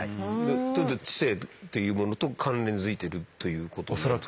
知性っていうものと関連づいてるということですか？